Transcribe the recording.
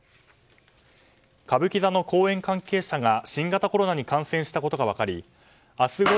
歌舞伎座の公演関係者が新型コロナに感染したことが分かり明日